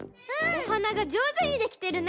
おはながじょうずにできてるね！